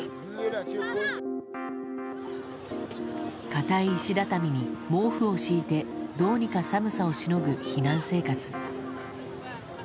硬い石畳に毛布を敷いてどうにか寒さをしのぐ避難生活。